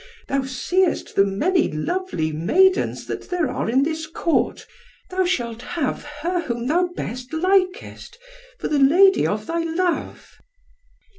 Thou seest the many lovely maidens that there are in this Court, thou shalt have her whom thou best likest for the lady of thy love."